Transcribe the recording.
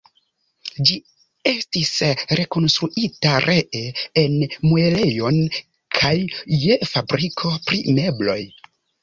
Ĝi estis rekonstruita ree en muelejon kaj je fabriko pri mebloj.